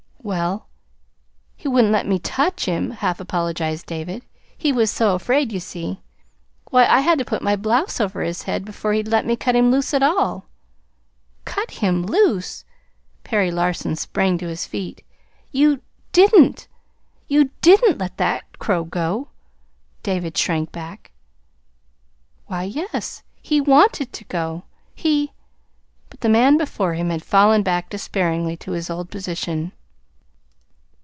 "Well, he wouldn't let me TOUCH him," half apologized David. "He was so afraid, you see. Why, I had to put my blouse over his head before he'd let me cut him loose at all." "Cut him loose!" Perry Larson sprang to his feet. "You did n't you DIDn't let that crow go!" David shrank back. "Why, yes; he WANTED to go. He " But the man before him had fallen back despairingly to his old position.